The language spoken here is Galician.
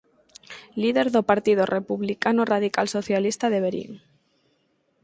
Líder do Partido Republicano Radical Socialista de Verín.